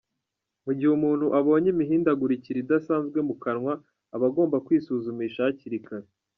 Mu gihe umuntu abonye imihindagurikire idasanzwe mu kanwa aba agomba kwisuzumisha hakiri kare.